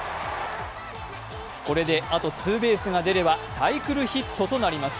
これであとツーベースが出ればサイクルヒットとなります。